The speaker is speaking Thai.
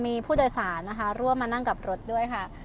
มีผู้โดยสารนะคะร่วมมานั่งกับรถด้วยค่ะ